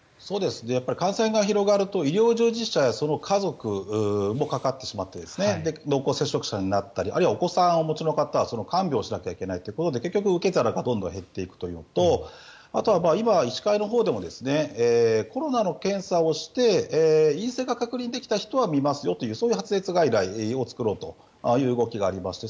やっぱり感染が広がると医療従事者やその家族もかかってしまって濃厚接触者になったりあるいはお子さんをお持ちの方は看病をしなきゃいけないってことで受け皿がどんどん減っていくというのとあとは医師会のほうでもコロナの検査をして陰性が確認できた人は診ますよというそういう発熱外来を作ろうという動きがありますと。